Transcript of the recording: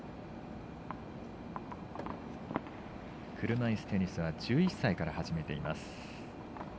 車いすテニスは１１歳から始めています。